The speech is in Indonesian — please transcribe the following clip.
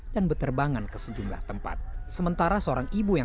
waktu kejadian itu dimana posisi istrinya